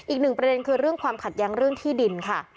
อีก๑ประเด็นคือความขัดแยงเรื่องที่ดินค่ะ